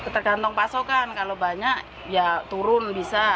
tergantung pasokan kalau banyak ya turun bisa